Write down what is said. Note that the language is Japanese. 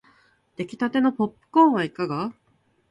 できたてのポップコーンはいかが